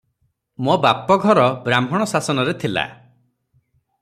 ମୋ ବାପଘର ବ୍ରାହ୍ମଣ ଶାସନରେ ଥିଲା ।